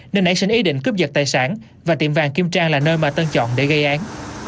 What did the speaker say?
nên nảy sinh ý định cướp giật tài sản và tiệm vàng kim trang là nơi mà tân chọn để gây án